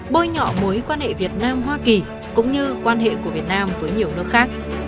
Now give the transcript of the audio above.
bôi nhọ mối quan hệ việt nam hoa kỳ cũng như quan hệ của việt nam với nhiều nước khác